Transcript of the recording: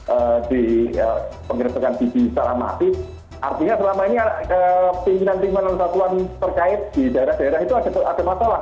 artinya selama ini pilihan pilihan percayaan di daerah daerah itu ada masalah